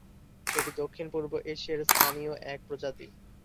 এটি দক্ষিণ-পূর্ব এশিয়ার স্থানীয় এক প্রজাতি।